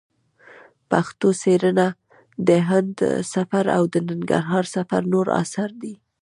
پښتو څېړنه د هند سفر او د ننګرهار سفر نور اثار دي.